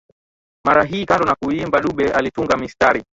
Mara hii kando na kuimba Dube alitunga misitari